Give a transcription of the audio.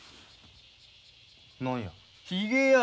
何や？